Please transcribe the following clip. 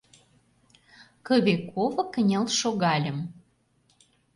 Кыве-ково кынел шогальым.